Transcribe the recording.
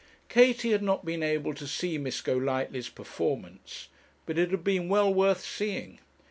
Katie had not been able to see Miss Golightly's performance, but it had been well worth seeing.